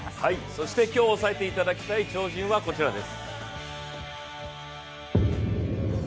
そして今日押さえていきたい超人はこちらです。